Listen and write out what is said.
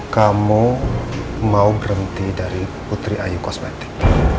kamu mau berhenti dari putri ayu kosmetik